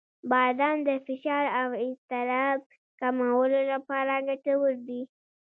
• بادام د فشار او اضطراب کمولو لپاره ګټور دي.